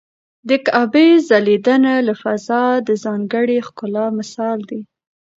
د کعبې ځلېدنه له فضا د ځانګړي ښکلا مثال دی.